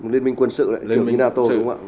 liên minh quân sự đấy liên minh nato đúng không ạ